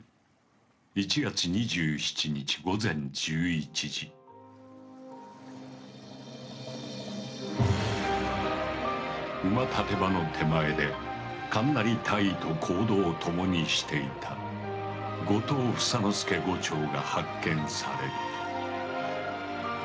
第５連隊馬立場の手前で神成大尉と行動を共にしていた後藤房之助伍長が発見される。